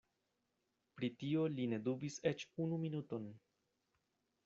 Pri tio li ne dubis eĉ unu minuton.